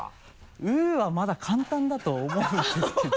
「う」はまだ簡単だとは思うんですけど。